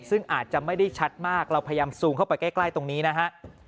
ซึ่งอาจจะไม่ได้ชัดมากเราพยายามซูมเข้าไปใกล้ตรงนี้นะฮะ